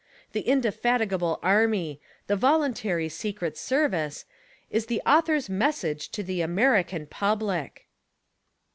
The Indefatigable Army^the Voluntary Secret Service is the author's message to the American public